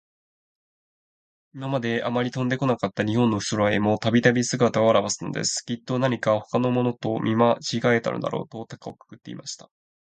いままで、あまり飛んでこなかった日本の空へも、たびたび、すがたをあらわすのです。きっと、なにかほかのものと、見まちがえたのだろうと、たかをくくっていました。